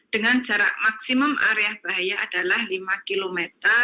dengan jarak maksimum area bahaya adalah lima km